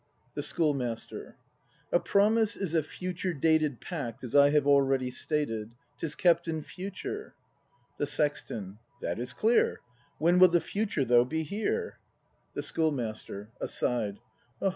^ The Schoolmaster. A Promise is a future dated Pact, as I have already stated; 'Tis kept in Future. The Sexton. That is clear. When will the Future, though, be here! 218 BRAND [act v The Schoolmaster. [Aside.